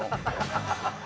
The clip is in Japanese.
ハハハハッ！